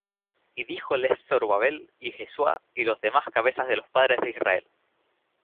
Y dijóles Zorobabel, y Jesuá, y los demás cabezas de los padres de Israel: